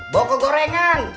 bau ke gorengan